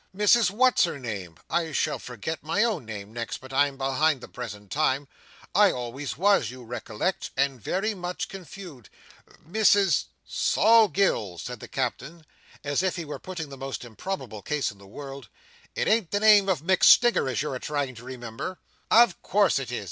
"Mrs What's her name! I shall forget my own name next, but I am behind the present time—I always was, you recollect—and very much confused. Mrs—" "Sol Gills!" said the Captain, as if he were putting the most improbable case in the world, "it ain't the name of MacStinger as you're a trying to remember?" "Of course it is!"